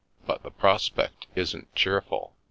" But the prospect isn't cheerful.